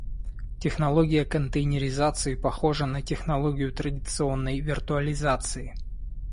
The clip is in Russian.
Технология контейнеризации похожа на технологию традиционной виртуализации